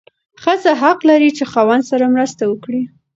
ښځه حق لري چې خاوند سره مرسته وکړي.